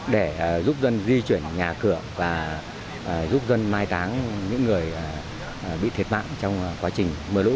để giúp dân di chuyển nhà cửa và giúp dân mai táng những người bị thiệt mạng trong quá trình mưa lũ